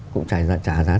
cũng trả giá rất là nhiều